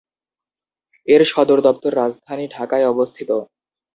এর সদরদপ্তর রাজধানী ঢাকায় অবস্থিত।